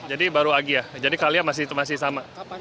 jadi baru agia jadi kalia masih sama